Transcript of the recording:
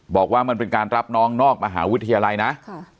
บอกว่ามันเป็นการรับน้องนอกมหาวิทยาลัยนะค่ะ